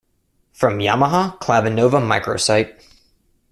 From Yamaha Clavinova microsite.